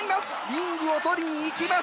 リングを取りに行きます！